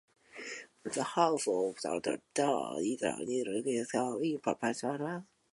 The House of Lords is the elected Chamber in Parliament.